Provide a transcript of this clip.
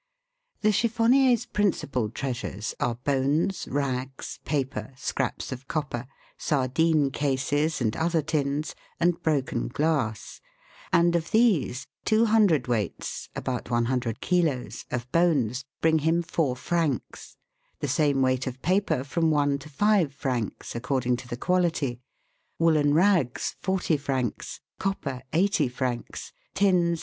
The chiffonnier's principal treasures are bones, rags, paper, scraps of copper, sardine cases and other tins, and broken glass ; and of these, two hundred weights (about one hundred kilos) of bones bring him four francs; the same weight of paper from one to five francs, according to the quality; woollen rags, forty francs; copper, eighty francs; tins, thr.